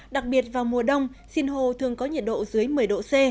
đặc biệt vào mùa đông sinh hồ thường có nhiệt độ dưới một mươi độ c